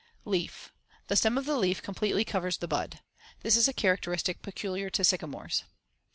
] Leaf: The stem of the leaf completely covers the bud. This is a characteristic peculiar to sycamores.